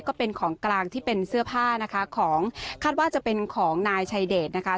ก็เป็นของกลางที่เป็นเสื้อผ้านะคะของคาดว่าจะเป็นของนายชัยเดชนะคะ